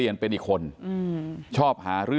ทีนี้ก็ต้องถามคนกลางหน่อยกันแล้วกัน